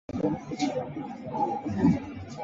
她的母亲没有比凯瑟琳多活多长时间。